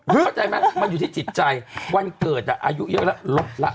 เข้าใจไหมมันอยู่ที่จิตใจวันเกิดอายุเยอะแล้วลดละ